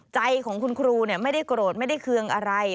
ใจของคุณครูไม่ได้โกรธไม่ได้เคืองอะไร